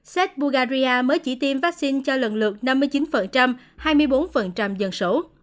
xét bugari mới chỉ tiêm vaccine cho lần lượt năm mươi chín hai mươi bốn dân số